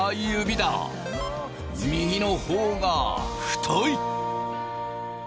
右の方が太い！